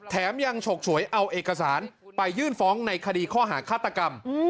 แถมยังฉกฉวยเอาเอกสารไปยื่นฟ้องในคดีข้อหาฆาตกรรม